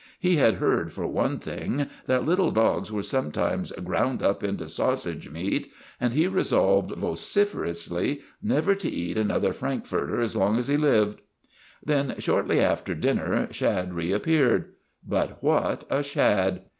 He had heard, for one thing, that little dogs were sometimes ground up into sausage meat, and he re solved vociferously never to eat another Frank furter as long as he lived. Then, shortly after dinner, Shad reappeared. But what a Shad!